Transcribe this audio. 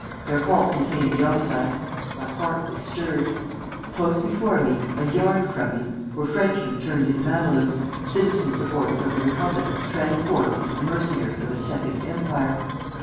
Their halt detained the omnibus. My heart was stirred. Close before me, a yard from me, were Frenchmen turned into Mamelukes, citizen supporters of the Republic transformed into the mercenaries of a Second Empire!